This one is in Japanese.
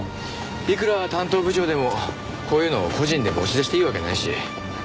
いくら担当部長でもこういうのを個人で持ち出していいわけないし。